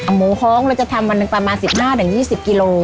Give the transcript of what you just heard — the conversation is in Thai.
หมูฮ้องเราจะทำวันหนึ่งประมาณสิบห้าหรือยี่สิบกิโล